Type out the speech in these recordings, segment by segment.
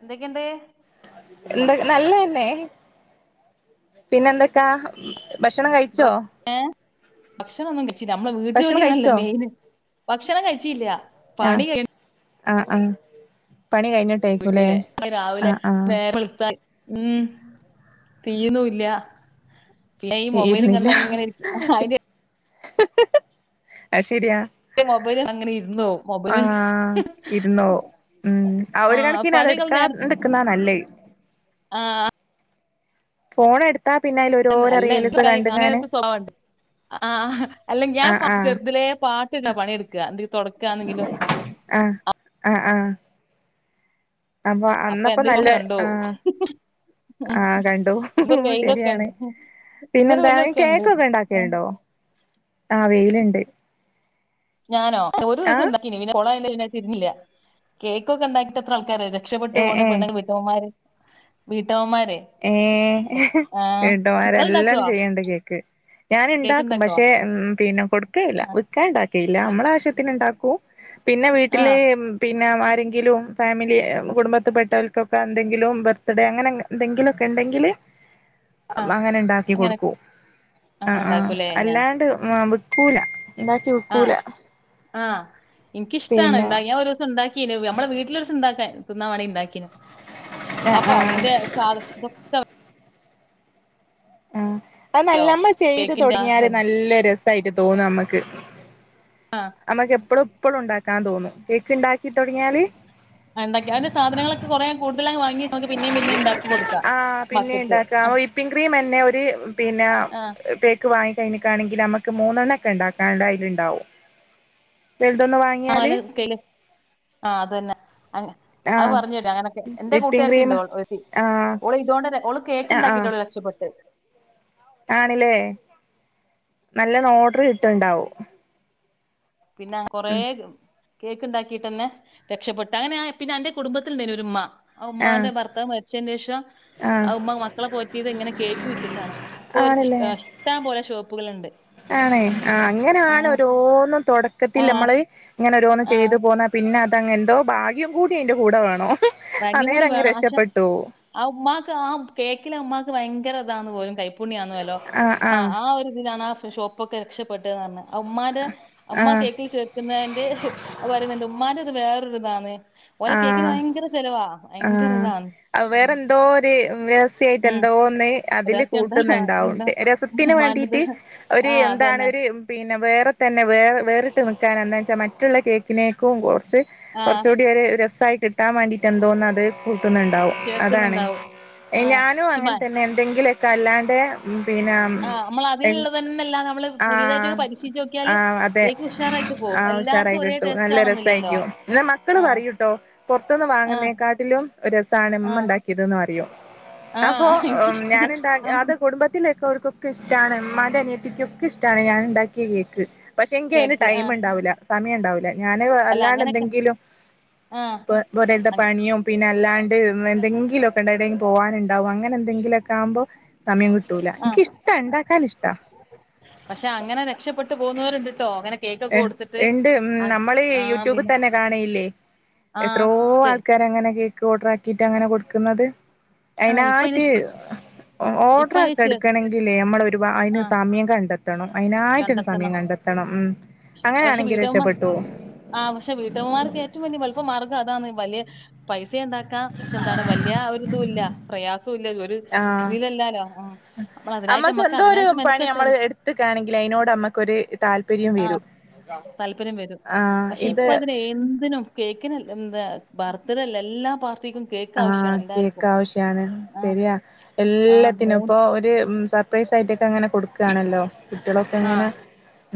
എന്തൊക്കെയുണ്ട് എന്തൊ നല്ലന്നെ പിന്നെ എന്തൊക്കാ? ഭക്ഷണം കഴിച്ചോ ഭക്ഷണം ഒന്നും ക ഴിച്ചില്ല നമ്മള് വീട്ട് ഭക്ഷണം ജോലിയാണല്ലോ കഴിച്ചോ മെയിന് ഭക്ഷണം കഴിചീല പണി കഴി അ ആഹ് പണി കഴിഞ്ഞി വീട്ടില്ലേ അമ്മള് രാവിലെ നേരം വെളുത്ത ഉം തീന്നുംല്ല പിന്ന ഈ മൊബൈല് കണ്ടങ്ങനെ രിക്കും അ ഹ് ഹ് ഹ് അത് ശരിയാ മൊബൈല് അങ്ങനെ ഇരുന്നു പോവും ആ മൊബൈല് ഇരുന്നോ ഉം ആ ഒര്കണക്കിന് അതെടുക്കാണ്ട്ക്ക്ന്നാ നല്ലെയ് [inaudible] ആഹ് ഫോണ് എടു അല്ല എന്ത അങ്ങനെ സണ്ട് ആ അല്ല ഞാൻ ആഹ് ആഹ് ചെറുതിലെ പാട്ട് കേട്ട പണിയെടുക്കുക എന്തെ തുടക്കാന്നെങ്കിലും ആഹ് ആഹ് ആഹ് അപ്പൊ അന്നപ്പോ എന്തെങ്കിലും നല്ല കണ്ടോവും ആഹ് ആ കണ്ടു ഇന്നൊരു വെയിലൊക്കെ ശരിയാണ് ഉണ്ട് ഇന്നൊരു പിന്നെന്താ വെയിലൊക്കെ ഉണ്ട് കേക്കൊക്കെ ആ ഇണ്ടാക്കലുണ്ടോ ആഹ് വെയില്ണ്ട് ഞാനോ ഒരു ദിവസം ണ്ടാക്കീന് പിന്നോളെ ല്ല രുന്നില്ല കേക്കൊക്കെ ഉണ്ടാട്ട് എത്ര ആൾക്കാരര രക്ഷപ്പെട്ട് ഏഹ് പോണ് പെണ്ണിൻ്റെ വിട്ടമ്മമാര് വി ഏഹ് ഹ് നിങ്ങൾ വീട്ടമാരെല്ലാം ഉണ്ടാക്കുവോ ചെയ്യണ്ട് കേക്ക് കേക്ക് ഞാൻണ്ടാക്കും ഉണ്ടാക്കുവോ പക്ഷേ പിന്നെ കൊടുക്കയില്ല ആ വിൽക്കാണ്ടാക്കേയില്ല നമ്മളെ ആവശ്യത്തിന് ണ്ടാക്കു പിന്നെ ആ വീട്ടില് പി പിന്നെ ആരെങ്കിലും ഫാമിലി കുടുംബത്ത് പെട്ടവൽക്കൊക്കെ എന്തെങ്കിലും ബർത്ത്ഡേ അങ്ങനെ അങ്ങനെ എന്തെങ്കിലൊക്കെ ഉണ്ടെങ്കില് അങ്ങനണ്ടാക്കി അങ്ങനെ കൊടുക്കു അ അങ്ങനെ ആഹ് ഉണ്ടാക്കൂലേ ഞാൻ അല്ലാണ്ട് പൂല ണ്ടാക്കി വിക്കൂല ആഹ് ഇനിക്കിഷ്ടാണ് പിന്നെ ന്താ ഞാൻ ഒരുസം ഇണ്ടാക്കീനു നമ്മളെ വീട്ടിൽ ഒരുസണ്ടാക്കാൻ തിന്നാ വണേ ഇണ്ടാക്കിനു ആ അപ്പൊ ആ അതിന്റെ സാധ [unintelligible] ആഹ് അ നല്ല നമ്മൾ ചെയ്ത് കേക്കിന്റെ ആ തുടങ്ങിയാല് ഇത് നല്ല രസാ ആയിട്ട് തോന്ന നമ്മക്ക് നമ്മക്ക് എപ്പഴും- എപ്പോഴും ഉണ്ടാക്കാൻ തോന്നുന്നു കേക്ക് ഇണ്ടാക്കി തുടങ്ങിയാല് ണ്ടാക്കി അതിന്റെ സാധനങ്ങളക്കെ കൊറേ കൂടുതലാ വാങ്ങി നമക്ക് പിന്നേം പിന്നേം ഇണ്ടാക്കി കൊടുക്കാം ആഹ് പിന്നെ മക്കക്ക് ഇണ്ടാക്കാം ആഹ് വിപ്പിംഗ് ക്രീം എന്നെ ഒരു ആഹ് ൽ മ്മക്ക് മൂന്നെണ്ണക്കെണ്ടാക്കാണ്ടയില്ണ്ടാവും ആല കൽ ആഹ് അതന്നെ [unintelligible] ആഹ് പറഞ്ഞട്ട അങ്ങനക്കെ എന്റെ വിപ്പിംഗ് ക്രീം കൂട്ടുകാരത്തിണ്ട് [unintelligible] ആഹ് ഓള് ഇതോണ്ടന്നെ ഓള് ആഹ് ആഹ് കേക്ക്ണ്ടാക്കിയിട്ടോള് രക്ഷപ്പെട്ട് ആണില്ലേ നല്ലണ് ഓട്ർ കിട്ടണ്ടവും പിന്നെ [unintelligible] കൊറേ കേക്ക്ണ്ടാക്കിട്ടന്നെ രക്ഷപ്പെട്ട അങ്ങനെയ പിന്നെ അന്റെ കുടുംബത്തിൽഇണ്ടേര്ന്ന് ഒരു ഉമ്മ ആ ആഹ് ഉമ്മാന്റെ ഭർത്താവ് മരിച്ചെന്നെഷം ആഹ് ആ ഉമ്മ മക്കളെ പൊറ്റിത് എങ്ങനെ കേക്ക് വിറ്റിട്ടാണ് പ്പൊര്ക്ക് ഇഷ് ആണല്ലേ ഇഷ്ടം പോലെ ഷോ പ്പുകല്ണ്ട് ആണേ ആഹ് അങ്ങനാണൊരോന്നും തൊടക്കത്തിൽ ആഹ് നമ്മള് ഇങ്ങനൊ രോന്ന് ആഹ് ചെയ്തുപോന്ന പി പിന്നതങ് എന്തോ ഭാഗ്യം കൂടി അയിന്റെ കൂടെ വേണോ [unintelligible] കൂടി വേണം അക്ഷെ ആ ഉമ്മാക്ക് ആ കേക്കിലെ അമ്മാക്ക് ഭയ് ങ്കരതാന്ന്പോലും കൈ പുണ്യന്നുവെല്ലോ ആഹ് ആഒരിതിലാണാ ഫു ഷോപ്പോക്കെ രക്ഷപ്പെട്ടന്ന് പറഞ്. ഉമ്മാന്റെ ഉമ്മാ ആഹ് കേക്കിൽ ചേർക്കുന്നതിന്റെ പറയുന്നുണ്ട് ഉമ്മാന്റെ അത് വേ ർതെ ദാന്ന്. ഓലെ കേക്കിന് ആഹ് ഭയങ്കര ചെലവാ ഭയങ്കര ഇതാണ് ആഹ് വേറെ ഉം എന്തോര് വേസ് സ്യായിറ്റ് ഉം എന്തോ ഒന്ന് അതില് രഹസ്യം ഉണ്ടാ കൂട്ടുന്നുണ്ടാവും എന്താ രസത്തിന് ഉമ്മാന്റത് വേണ്ടീട്ട് ഒരു ആ എന്താണ് അതന്നെ ഒരു പി പിന്നെ വേറെ തന്നെ വേറെ വേറിട്ട് നിക്കക്കാൻ എന്താ വെച്ചാ മറ്റുള്ള കേക്കിനേക്കും കോർ ർ ആ കൊർച്ചുട് ട്ടിയൊരു രസായി കിട്ടാൻ വേണ്ടിട്ട് എന്തോന്നന്ന് അത് ട്ടുന്നുണ്ടാവും അതാണ് ചേർക്കുന്നുണ്ടാവും ആ ഞാനും പക്ഷെ അങ്ങനെ തന്നെ എന്തെങ്കിലും ഒ കല്ലാണ്ടെ ഉം. ആഹ് നമ്മൾ അതിനുള്ളതന്നെല്ലാ ആഹ് ആഹ് അതെ കേക്ക് ഉഷാറായിട്ട് പോകും ആഹ് ഉഷാറായി എല്ലാവർക്കും ഒരേ കിട്ടൂ ടേസ്റ്റ് നല്ല ആണെന്നില്ലല്ലോ രസായിരിക്കും ന്നാ മക്കള് ആ പറയൂട്ടോ പോർത്തുന്ന് ആ വാങ്ങുന്നേക്കാട്ടിലും രസമാണ് ആ ഇമ്മ ഇണ്ടാക്കിയത് ന്ന് പറയൂം ആ അപ്പോ എനിക്കിഷ്ട ഞാൻ ഇണ്ട ആ അത് കുടുംബത്തി അവർക്കൊകെ ഇഷ്ടമാണ് ഇമാടെ അനിയത്തിക്ക ഇഷ്ടാണ് ഞാൻ ഉണ്ടാക്കിയ കേക്ക് പക്ഷെ എങ്കി അതിന് കേക്ക് ആ ടൈം ഉണ്ടാവില്ല സമയ ഉണ്ടാവില്ല ഞാന് അല്ല അല്ലാണ്ട് അങ്ങനൊക്കെ എന്തെങ്കിലും ആ ഇപ്പ പൊരേത്തെ അങ് പണിയും പിന്നെ അല്ലാണ്ട് എന്തെങ്കിലുമൊക്കെ എണ്ട എവിടെങ്കിലും പോകാനുണ്ടാവും അങ്ങനെ എന്തെങ്കിലുമൊക്കെ ആകുമ്പോ സമയം കിട്ടൂല ആ എനിക്കിഷ്ട ഉണ്ടാക്കാന ഇഷ്ടാ പക്ഷെ അങ്ങനെ രക്ഷപ്പെട്ട് പോകുന്നവരുണ്ട്ട്ടോ അങ്ങനെ കേക്കൊക്കെ കൊടുത്തിട്ട് ഉണ്ട് ഉം ആ നമ്മള് ആ യൂട്യൂബിൽ പിന്നെ തന്നെ കാണയില്ലേ ആ എത്രോ തെ ആൾക്കാര അങ്ങനെ കേ ഓർഡർക്കിയിട്ട് അങ്ങനെ കൊടുക്കുന്നത് ആ ഇപ്പ അയ്ന് അയിതിനായിട്ട് ഇപ്പ ഓർഡർ അയ്ന് ഒക്കെ ചെ എടുക്കണമെങ്കിൽേ നമ്മളൊ ഒരുാ അതിന് ആ സമയം കണ്ടെത്ത എത്തണം അതിനായിട്ടൊരു സമയം കണ്ടെത്തണം കണ്ടെത്തണം ഉം പക്ഷെ അങ്ങനെയാണെങ്കിൽ വീട്ടമ്മമാർ രക്ഷപ്പെട്ടു ആ പക്ഷെ വീട്ടമ്മമാർക്ക് ഏറ്റവും വലിയ എളുപ്പ മാർഗ്ഗം അതാണ് അയ്ന് പൈ സെ ണ്ടാ ക്കാം പക്ഷെ എന്താണ് വലിയ ഒരുതുല്ല പ്രയാസവും ഇല്ല ഒരു ആഹ് ഇതിലല്ലാലോ ആ നമ്മൾ അതിനായിട്ട് നമ്മക്ക് അമ്മക്ക് എന്തോ ഒരു അതിനായിട്ട് പണി നമ്മൾ മനക്ക്ട്ടല് എടുത്തക്കാണെങ്കിൽ അതിനോട് നമ്മക്കൊരു താല്പര്യം ആഹ് വരും താല്പര്യം വരും ആഹ് പക്ഷെ ഇപ്പ ഇത് അതിനെ എന്തിനും കേ ബർത്ത്ഡേ അല്ല എല്ലാ പാർ ആഹ് കേക്ക് ആവശ്യാണ് ആ ശരിയാ ആ മൂ എല്ലാത്തിനും ഇപ്പോ ഒര് സ സർപ്രൈസ് ആയിട്ടൊക്കെ അങ്ങനെ കൊടുക്കാണല്ലോ കുട്ടികളൊക്കെ ആ എങ്ങനെ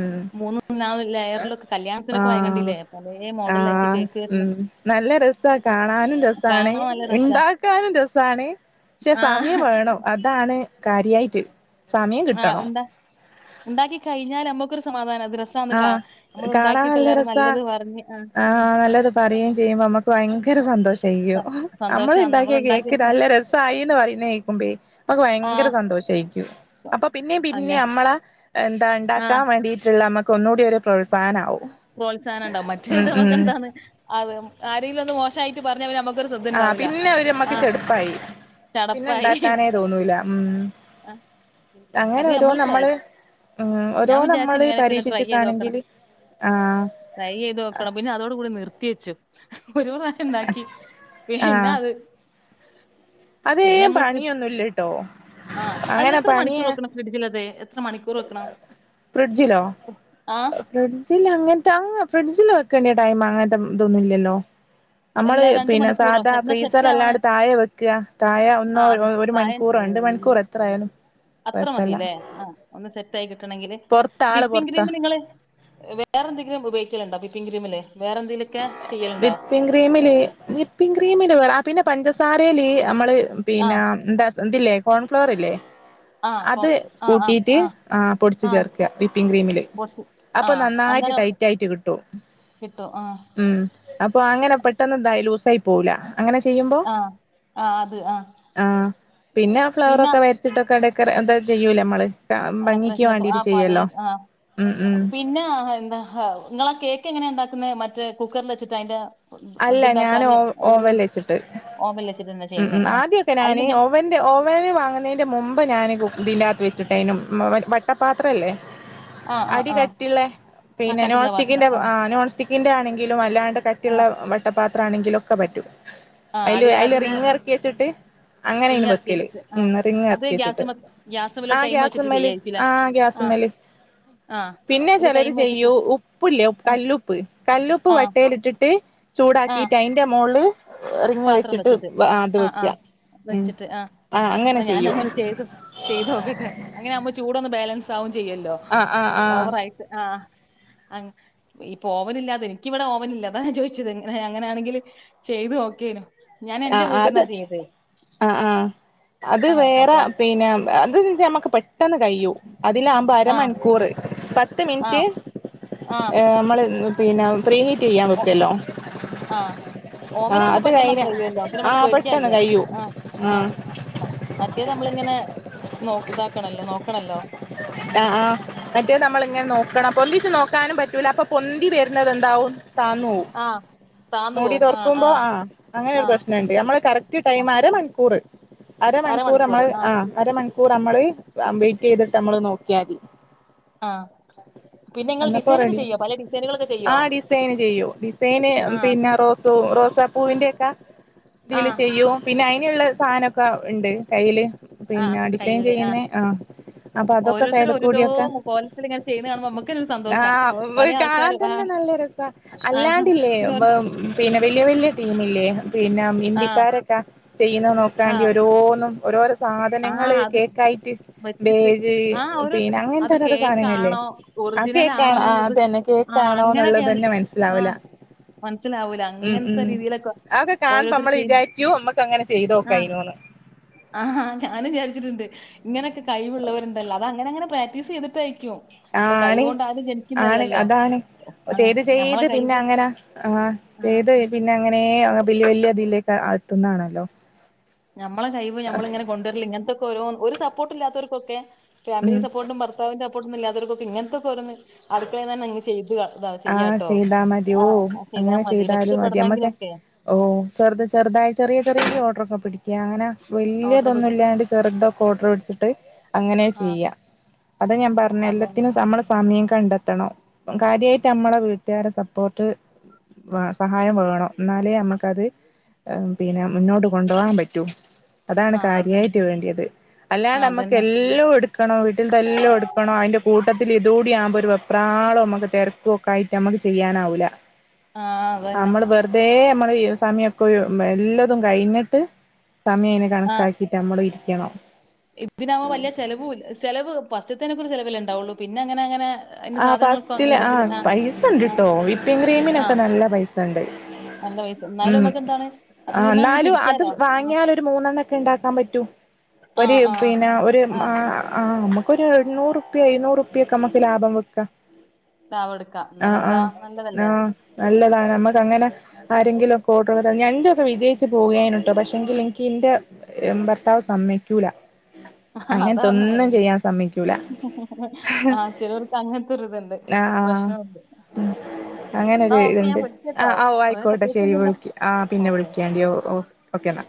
ഉം മൂന്ന് നാല് ലെയറിലൊക്കെ കല്യാണത്തിനൊക്കെ വാങ്ങി ആഹ് കണ്ടില്ലേ പല ആ മോഡലായിട്ട് കേക്ക് വരുന്ന ഉം നല്ല രസ കാണാനും രസാണ് കാണാൻ നല്ല രസാ. ഇണ്ടാക്കാനും രസാണ് പക്ഷെ ആ സമയം വേണം അതാണ് കാര്യായിട്ട് സമയം ആ കിട്ടണോ ഉണ്ടാ ഉണ്ടാക്കി കഴിഞ്ഞാൽ നമ്മുക്കൊരു സമാധാനം രസാന്ന് കാണ ആഹ് നമ്മൾ കാണാൻ നല്ല ഉണ്ടാക്കിട്ടെല്ലാരും രസാ നല്ലത് പറഞ്ഞ് ആ ആ ആഹ് നല്ലത് പറയുകയും ചെയ്യുമ്പോ നമ്മുക്ക് ഭയങ്കര സന്തോഷം ചെയ്യും നമ്മള് സന്തോഷാണ് നമ്മൾ ഉണ്ടാക്കിയ കേക്ക് ഉണ്ടാക്കിയൊരു സം- നല്ല രസമായിന്ന് പറയുന്ന കേൾക്കുമ്പേ നമക്ക് ആ ഭയങ്കര സന്തോഷായിരിക്കും അപ്പൊ പിന്നേം പിന്നേ അങ്ങനെ നമ്മള് എന്താ ആ ഉണ്ടാക്കാൻ വേണ്ടിട്ടുള്ള നമ്മ കൊന്നുകൂടി ഒരു പ്രോത്സാഹനാവും പ്രോത്സാഹനം ഉണ്ടാവും ഉം മറ്റേത് മ ക്ക് ഉം എന്താണ് അത് ആരെങ്കിലും ഒന്ന് മോശായിട്ട് പറഞ്ഞ പിന്നെ നമ്മ ആഹ് പിന്നെ ഒര് മ്മക്ക് ചടുപ്പായി പിന്നെ ചടപ്പായി ഉണ്ടാക്കാനേ തോന്നൂല ഉം. ആ, അങ്ങനെ അത് ഓരോ നമ്മൾ ട്രൈ നമ്മള് ഉം ഓരോ ഞാൻ വിചാരിച്ചു നമ്മള് ഇങ്ങനെയൊക്കെ ഒന്ന് ട്രൈ ചെയ്ത് നോക്കണം പരീക്ഷിച്ചിട്ടാണെങ്കിൽ ആഹ് ട്രൈ ചെയ്ത് നോക്കണം പിന്നെ അതോടുകൂടി നിർത്തി വെച്ചു ഒരു പ്രാവശ്യം ഉണ്ടാക്കി പിന്നെ ആഹ് അത് അതേ പണിയൊന്നുംല്ലട്ടോ ആഹ് അല്ല എത്ര മണിക്കൂർ വെക്കണം ഫ്രിഡ്ജിലത് എത്ര മണിക്കൂർ വെക്കണം ഫ്രിഡ്ജിലോ ആ ഫ്രിഡ്ജിൽ അങ്ങനത്തെ അങ്ങ് ഫ്രിഡ്ജി ല് വെക്കണ്ട്യ ടൈം അങ്ങനത്തെ ഇതൊന്നും ഇല്ലല്ലോ നമ്മള് അല്ല രണ്ട് പിന്നെ മണിക്കൂറോ സാധാ സെ- എന്നാ സെറ്റ് ഫ്രീസർ ആവണേ അല്ലാണ്ട് താഴെ വെക്കുക താഴ ആ ഒന്നോ അത് ഒരു താഴെ മണിക്കൂറൊ രണ്ട് മണിക്കൂർ എ ത്രയാലും അത്ര മതിലേ ആഹ് ഒന്ന് സെറ്റായി കിട്ടണെങ്കിൽ പൊറത്ത ആള് വിപ്പിൻ പൊറത്താ ക്രീമിൽ ഇങ്ങള് വേറെ എന്തെങ്കിലും ഉപയോഗിക്കലണ്ടോ വിപ്പിങ് ക്രീമില് വേറെ എന്തെങ്കിലുമൊക്കെ ചെയ്യലുണ്ടോ വിപ്പിമ് ക്രീംമിൽ വിപ്പിംഗ് ക്രീ ക്രീമിൽ വെടെ പിന്നെ പഞ്ചസാരയിൽ അമ്മള് പിന്നെ ആഹ് എന്താ എന്തില്ലേ കോൺഫ്ലോർ ഇല്ലേ ആഹ് കൊ അത് ആഹ് ആഹ് കൂട്ടിട്ട് ആഹ് ആ പൊടിച്ചു ആഹ് ചേർക്കുക വിപ്പിങ് ക്രീമില് കൊറച്ച് അപ്പൊ ആഹ് നന്നായിട്ട് അന്നേരം ടൈറ്റ് ആയിട്ട് കിട്ടും കിട്ടും ആഹ് ഉം അപ്പൊ അങ്ങനെ പെട്ടെന്ന് എന്തായി ലൂസായി പോവൂല അങ്ങനെ ചെയ്യുമ്പോ ആഹ് ആഹ് അത് ആഹ് ആ പിന്നെ ആ പിന്നെ ഫ്ലവറൊക്കെ വരച്ചിട്ടൊക്കെ ടെ [unintelligible] എന്താ ചെയ്യൂല മ്മള് ഡെക്കറേഷനൊക്കെ ആഹ് പലേ ആഹ് ഉം ഉം എങ്ങനെയ ഉണ്ടാക്കുന്നത് മറ്റേ കുക്കറിൽ വച്ചിട്ട് അയിന്റെ അല്ല ഞാൻ ഓ ഓവൻ വെച്ചിട്ട് ഓവനിൽ വെച്ചിട്ട് തന്നെ ചെയ്യുന്നേ ഉം ആഹ് ആദ്യൊക്കെ ഞാൻ അതിലെന്തെ ഓവന്റെ ഓവനി വാങ്ങുന്നതി ന്റെ മുമ്പ് ഞാന് ഇതിനതിനകത്ത് വെച്ചിട്ടേനും വ വട്ടപാത്രല്ലേ ആഹ് ആഹ് അടി ആഹ് കട്ടുള്ളേ ആഹ് പിന്നെ കട്ടിയുള്ള പാത്രം നോൺസ്റ്റിക്കിന്റെ ആഹ് ആ നോൺസ്റ്റിക് ഇന്റെ ആണെങ്കിലും അല്ലാ കട്ടിയുള്ള ആഹ് പാത്രാണെങ്കിലൊക്കെ പറ്റും ആഹ് അയില് അടി അയില് അതിന് റിങ് ഇറക്കി വച്ചിട്ട് അങ്ങനെനു റിങ് ഇറക്കി വെക്കല് വെച്ചിട്ട് ആ ഉം റിങ് അത് ഇറക്കി ഗ്യാസ് എച്ചിട്ട് ഗ്യാസുമേല് ആ ടൈം വെച്ചിട്ട് ഗ്യാസമ്മല് ചെയ്യായിരിക്കുംല്ലേ ആ ആ ഗ്യാസമ്മല് ആ പിന്നെ ഒരു ചിലര് ടൈം വെച്ചിട്ട് ചെയ്യൂ ഉപ്പില്ലേ ആ കല്ലുപ്പ് കല്ലുപ്പ് ആ വട്ടയില് ഇട്ടിട്ട് ആ ചൂടാക്കീട്ട് അയ്‌ന്റെ മോ [unintelligible] ളി പാത്രം വെച്ചിട്ട് ആ ആ ഉം വെച്ചിട്ട് ആ പാത്രേം വെച്ചിട്ട് ആ ആ വെച്ചിട്ട് അങ്ങനെ എന്നാ ചെയ്യൂ ഞാനങ്ങനെ ചെയ്തു ചെയ്തോക്കട്ടെ അങ്ങനെ ആവുമ്പോ ചൂടൊന്ന് ബാലൻസ് സാവും ചെയ്യല്ലോ ആ ആ ആ ഓവറയിട്ട് ആ ആ ഇപ്പൊ ഓവനില്ലാതെ പ്പോ എനിക്കിവിടെ ഓവനില്ല അതാ ഞാൻ ചോദിച്ചത് ങ്ങനെ അങ്ങനെയാണെങ്കില് ചെയ്ത് നോ ക്കേനു ആ അത് ആ ആ അത് വേറെ പിന്നെ അതൊന്ന് ഞമ്മക്ക് പെട്ടെന്ന് കയ്യു അതില ആകുമ്പോ ആ അരമണിക്കൂറ് പത്ത് ആ മിനിറ്റ് ആ നമ്മള് പിനെ ഫ്രീ ഹീറ്റ് ചെയ്യാൻ ഓ വെക്കല്ലോ ആഹ് ആ ഓവനാകുമ്പോ അത് കഴിഞ്ഞ പെട്ടെന്നങ്ങ് കഴിയുവല്ലോ പിന്നെ ആ നമുക്ക് പെട്ടെന്ന് പേടിക്കൻല്ല കഴിയൂ അ ആ മറ്റേതമ്മള് ഇങ്ങനെ നോ ഇതാക്കണല്ലോ നോക്കണല്ലോ ആ ആ മറ്റേത് നമ്മള് ഇങ്ങനെ നോക്കണം പൊന്തിച്ച് നോക്കാനും പറ്റൂല അപ്പൊ പൊന്തി വരുന്നത് എന്താവും താന്നോവും ആഹ് താന്നു മൂടി പോവും ആഹ് തൊറക്കുമ്പോ ആഹ് ആ അങ്ങനൊരു ആഹ് പ്രശ്നണ്ട് നമ്മള് കറക്റ്റ് ടൈം ആഹ് അര മണിക്കൂർ അരമണിക്കൂർ നമ്മള് ആ അരമണിക്കൂർ [unintelligible] നമ്മള് വെയിറ്റ് ചെയ്തിട്ട് മ്മള് നോക്കും ക്കാദി ആഹ് പിന്നെ നിങ്ങൾ അന്നപ്പോ ഡിസൈനൊക്കെ റെഡിയ ചെയ്യോ പല ഡിസൈനുകളൊക്കെ ആ ചെയ്യോ ഡിസൈന് ചെയ്യും ഡിസൈന് ആഹ് പിന്നെ റോസ പ്പൂവിന്റെയൊക്കെ ഇതിൽ ആഹ് ചെയ്യോ പിന്നെ അയിനുള്ള സാനൊക്കെ ഉണ്ട് കയ്യില് ആഹ് പിന്നെ ഡിസൈൻ കയ്യില് ചെയ്യുന്ന ആഹ് ആ അപ്പൊ അതൊക്കെ ഓരോരുത്തരും ഓരോരോ കോലത്തില് ഇങ്ങനെ ചെയ്യുന്ന കാണുമ്പോ നമുക്കൊരു [unintelligible] ആ സന്തോഷാ പല കാണൻ ആൾക്കാരും തന്നെ ആഹ് നല്ല രസ ആഹ് അല്ലാണ്ടില്ലേ പിന്നെ ഓരോ പിന്നെ വല്യ വല്യ ടീമ ലേഹം പിന്നെ ആഹ് ഇന്തിക്കാരൊക്കെ ചെയ്യുന്നത് നോക്കാണ്ടി ആഹ് ഒരോന്നും. ഓരോരോ ആഹ് സാധനങ്ങള് അത് കേക്കായിട്ട് വെച്ചിട്ട് ബേഗ് ആ ഒരു പിന്നെ അങ്ങൻ അത് തോരോ സാധനങ്ങല്ലേ കേക്കാണോ ആ ഒറിജിനൽ കേക്കാ ആണോ ആ എന്നുള്ളത് അതന്നെ ആ കേക്കാണോ എന്നുള്ളത് അങ്ങനെയൊക്കെയാണ് തന്നെ ആ മനസ്സിലാവുല മനസ്സിലാവൂല ഉം അങ്ങനത്തെ ഉം രീതിയിലൊക്കെ ആ ഒക്കെ കാണുമ്പ ഓരോരുത്തർ മ്മള് ചെയ്യുമ്പോ വിചാരിക്കും നമ്മക്ക് അങ്ങനെ ആ ചെയ്തോക്കൊയിനോന്ന് ആ ഞാനും വിചാരിച്ചിട്ടുണ്ട് ഇങ്ങനൊക്കെ കഴിവുള്ളവരുണ്ടല്ലോ അത് അങ്ങനെ അങ്ങനെ പ്രാക്ടീസ് ചെയ്തിട്ടായിരിക്കോ ആ ആണ് ആണ് അതാണ് ആ ചെയ്ത് ചെയ്ത് നമ്മളെ പിന്നെ കഴിവ് അങ്ങനെ ആ ചെയ്ത് പിന്നെ അങ്ങനെ വല്യ വല്യ തിലേക്ക് ആത്തുന്നാണല്ലോ നമ്മളെ കൈവ് നമ്മൾങ്ങെ കൊണ്ടുവരല് ഇങ്ങൻത്തെ ഓരോന്ന് ഒരു സപ്പോർട്ട് ഇല്ലാത്തവർക്കൊക്കെ ഫാമിലി ഉം സപ്പോർട്ടും ഭർത്താവിന്റെ കൊട്ന്നില്ല തോർകൊക്കെ ഇങ്ങൻ ത്തെക്കോരോന്ന് ആ ചെയ്യാട്ടോ ചെയ്താ മതി ഓ ആഹ് ചെയ്താ അങ്ങനെ മതി ചെയ്താലും മതി നമ്മക്കെ രക്ഷപ്പെടണെങ്കിലൊക്കെ ഓ ചെറുത ചെറുതായ ചെറിയ ചെറിയ ഓർഡററൊക്കെ പിടിക്ക ക്കങ്ങനെ ഓർഡർ വല്യതൊന്നും പിടി ഇല്ലാണ്ട് ചെറുതൊ ഓഡർ ഇട്ത്തിട്ട് അങ്ങനെ ആഹ് ചെയ്യാം അത ഞാൻ പറഞ്ഞ അതന്നെ എല്ലാത്തിനും നമ്മള് [unintelligible] കണ്ടെത്തണം കാര്യയിട്ട് നമ്മളെ വീട്ടുകാര സപ്പോർട്ട് സഹായം വേണം എന്നാലേ നമ്മുക്കത് പിന്നെ മുന്നോട്ട് കൊണ്ടുപോകാൻ പറ്റൂ. അതാണ് ആഹ് അതന്നെ കാര്യയിട്ട് വേണ്ടിയത് ആഹ് അല്ലാണ്ട് മ്മക്ക് അതന്നെ എല്ലാം എടുക്കണോ വീട്ടിൽത്തെല്ലാം എടുക്കണോ അയി ൻന്റെ കൂട്ടത്തിൽ ഇതൂടി വെപ്രാളം മ്മക്ക് ക്ക് തെരക്കും ഒക്കെ ആയിട്ട് നമ്മുക്ക് ചെയ്യാനാവൂല്ല ആഹ് അതന്നെ നമ്മള് വെറുതെ നമ്മ സമിയപ്പോ എല്ലതും കഴിഞ്ഞിട്ട് സമയം അങ്ങനെ കണക്കാക്കിയിട്ട് നമ്മള് ഇരി ക്കണം ഇതിനാവുമ വലിയ ചെലവൂല ചെലവ് പസ്യത്തിനക്കെ ഒരു ചെലവല്ലേ ഉണ്ടാവുള്ള പിന്നെ അങ്ങനെങ്ങനെ ആ ഫസ്റ്റില് ആ പൈസണ്ട് ആഹ് ട്ടോ വിപ്പിങ് ക്രീമിനൊക്കെ ആഹ് നല്ല പൈസണ്ട് നല്ല പൈസ എന്നാലും ഉം നമുക്ക് എന്താണ് അത് ആ ഇതിമ്മെ അങ്ങ് ന്നാലും അത് പിടിക്കാലോ ആഹ് വാങ്ങിയാലൊരു മൂന്നെണ്ണൊക്കെ ഉണ്ടാക്കാൻ പറ്റൂ ഒരു ആഹ് ആഹ് പിന്നെ ഒരു ആഹ് മാ ആ നമുക്ക് ഒരു നൂറുപ്പ എഴുന്നൂറുപ്പ്യൊക്കെ നമുക്ക് ലാഭം വ ക്ക ടാബ് എടുക്കാം ആ ആ എന്നാലെന്താ ആ നല്ലതല്ലേ നല്ലതാണ് നമ്മക്ക് അങ്ങനെ ആരെങ്കിലും [unintelligible] ഞാ ഇൻന്റെൊക്കെ വിജയിച്ചു പോകയ്നിട്ടോ പക്ഷെങ്കിൽ എനിക്ക് ഇന്റെ ഭർത്താവ് സമ്മയ്ക്കൂല അങ്ങനത്തെ അതാണ് ഒന്നും മെയിന് ചെയ്യാൻ സമ്മയ്ക്കൂല ആ ചിലർക്ക് അങ്ങ ആ എന്നാ അങ്ങനൊരു ഓക്കെ ഇതുണ്ട് ഞാൻ ആ വിളിക്കാട്ടോ ഓ ആയിക്കോട്ടെ ശെരി പ്രത്യേകിച്ചൊന്നുമില്ല വിളിക് ആ പിന്നെ ഓക്കെ വിളിക്കണ്ടി ഓ ഓക്കെ ഓ ഓക്കേ എന്നാ